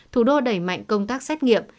thủ đô đẩy mạnh công tác xét nghiệm